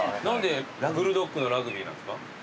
何でブルドッグのラグビーなんですか？